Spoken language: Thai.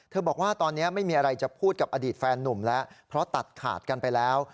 บอกว่าตอนนี้ไม่มีอะไรจะพูดกับอดีตแฟนนุ่มแล้วเพราะตัดขาดกันไปแล้ว